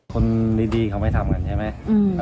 คนดีเขาไม่ทำกันใช่ไหม